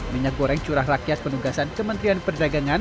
minyak goreng curah rakyat penugasan kementerian perdagangan